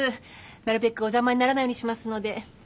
なるべくお邪魔にならないようにしますので。